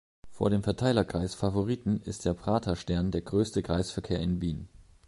Vor dem Verteilerkreis Favoriten ist der Praterstern der größte Kreisverkehr in Wien.